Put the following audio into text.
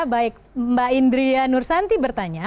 baik mbak indria nursanti bertanya